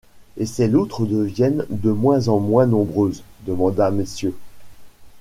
Et ces loutres deviennent de moins en moins nombreuses ? demanda Mrs.